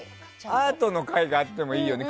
アートの回があってもいいよね。